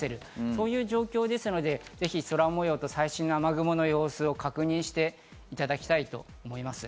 そういう状況ですので空模様と最新の雨雲の様子を確認していただきたいと思います。